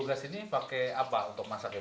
biogas ini pakai apa untuk masak ya bu